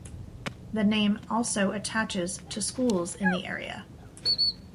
The name also attaches to schools in the area.